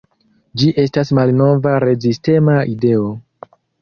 Ĝi estas malnova rezistema ideo?